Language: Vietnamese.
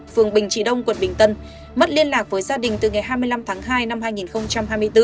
phường bình trị đông quận bình tân mất liên lạc với gia đình từ ngày hai mươi năm tháng hai năm hai nghìn hai mươi bốn